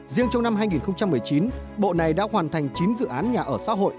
riêng trong năm hai nghìn một mươi chín bộ này đã hoàn thành chín dự án nhà ở xã hội